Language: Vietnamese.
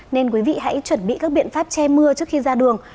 nên quý vị hãy chuẩn bị các biện pháp che mưa trước khi ra đường